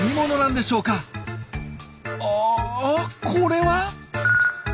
あこれは？